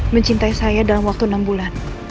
mencintai saya dalam waktu enam bulan